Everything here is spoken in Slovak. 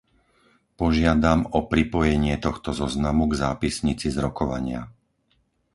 Požiadam o pripojenie tohto zoznamu k zápisnici z rokovania.